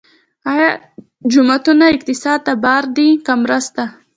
آیا جوماتونه اقتصاد ته بار دي که مرسته؟